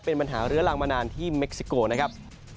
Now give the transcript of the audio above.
เป็นปัญหาเรื้อรังมานานที่เม็กซิโกนะครับ